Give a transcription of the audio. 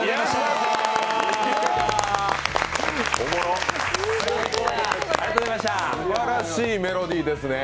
すばらしいメロディーですね。